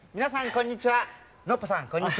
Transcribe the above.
こんにちは。